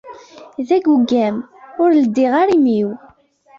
D agugam, ur leddiɣ ara imi-w.